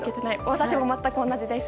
私も全く同じです。